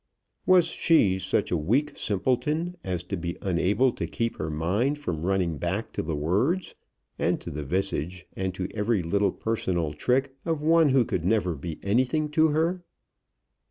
Was she such a weak simpleton as to be unable to keep her mind from running back to the words and to the visage, and to every little personal trick of one who could never be anything to her?